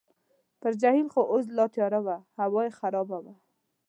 پر جهیل خو اوس لا تیاره وه، هوا یې خرابه وه.